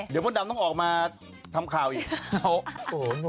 เดี๋ยวมดดำต้องออกมาทำข่าวอีก